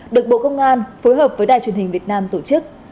được bộ công an phối hợp với đài truyền hình việt nam tổ chức